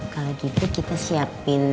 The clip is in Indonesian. kalau gitu kita siapin